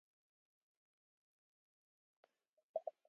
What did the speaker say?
Febres Cordero is one of the most important agricultural centres of the city.